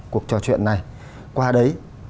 cuộc trò chuyện này qua đấy